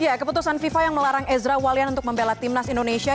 ya keputusan fifa yang melarang ezra walian untuk membela timnas indonesia